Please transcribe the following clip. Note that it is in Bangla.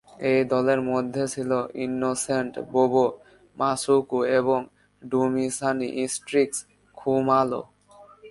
এই দলের মধ্যে ছিল ইননোসেন্ট "বোবো" মাসুকু এবং ডুমিসানি "স্টিক্স" খুমালো।